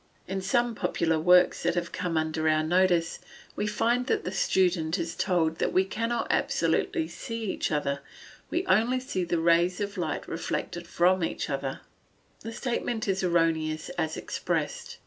In some popular works that have come under our notice, we find that the student is told that "we cannot absolutely see each other we only see the rays of light reflected from each other." The statement is erroneous as expressed.